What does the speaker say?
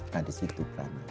nah disitu perannya